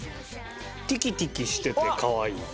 ティキティキしてて可愛い。